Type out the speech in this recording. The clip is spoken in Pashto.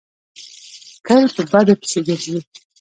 تل په بدو پسې ګرځي.